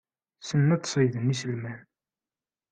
Ssnen ad ṣeyyden iselman.